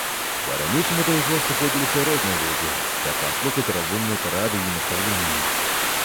Па-ранейшаму да яго сыходзіліся розныя людзі, каб паслухаць разумныя парады і настаўленні.